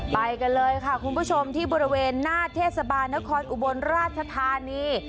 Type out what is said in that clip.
ไปกันเลยค่ะคุณผู้ชมที่บริเวณหน้าเทศบาลนครอุบลราชธานี